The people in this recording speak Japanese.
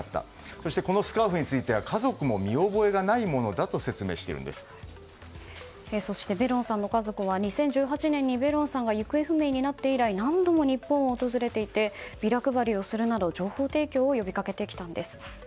そして、このスカーフについては家族も見覚えがないものだとそして、ベロンさんの家族は２０１８年にベロンさんが行方不明になって以来、何度も日本を訪れていてビラ配りをするなど情報提供を呼びかけてきたんです。